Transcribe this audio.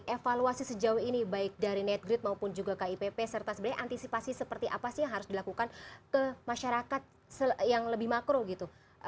evaluasi sejauh ini baik dari netgrid maupun juga kipp serta sebenarnya antisipasi seperti apa sih yang harus dilakukan ke masyarakat yang lebih makro gitu